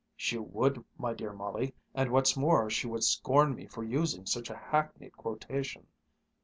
"She would, my dear Molly, and what's more, she would scorn me for using such a hackneyed quotation."